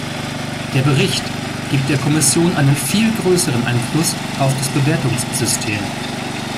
Der Bericht gibt der Kommission einen viel größeren Einfluss auf das Bewertungssystem.